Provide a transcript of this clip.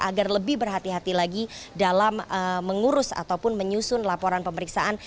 agar lebih berhati hati lagi dalam mengurus ataupun menyusun laporan pemeriksaan